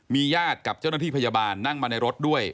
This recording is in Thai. มีญาติกับเจ้าหน้าที่พยาบาลนั่งมาในรถด้วย